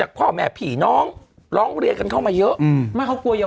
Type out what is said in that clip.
เหมือนเป็นอาชีพแล้วหาเงินรึเปล่า